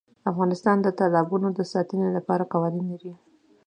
افغانستان د تالابونه د ساتنې لپاره قوانین لري.